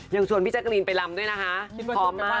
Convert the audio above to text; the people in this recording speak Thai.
ยังชวนพี่เจ้ากระลีนไปรำด้วยพร้อมมาก